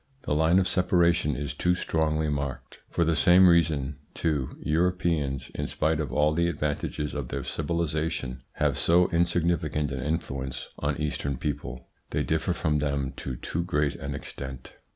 The line of separation is too strongly marked. For the same reason too Europeans, in spite of all the advantages of their civilisation, have so insignificant an influence on Eastern people; they differ from them to too great an extent.